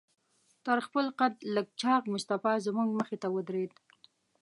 تر خپل قد لږ چاغ مصطفی زموږ مخې ته ودرېد.